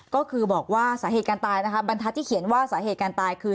ก็คือบอกว่าสาเหตุการตายนะคะบรรทัศน์ที่เขียนว่าสาเหตุการตายคือ